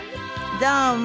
どうも。